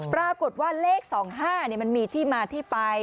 ปรากฏว่าเลข๒๕มันมีที่มาที่ไป